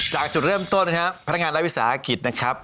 จากจุดเริ่มต้นนะครับพนักงานรัฐวิสาหกิจนะครับ